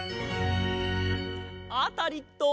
アタリット！